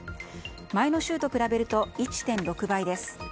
前の週と比べると１．６倍です。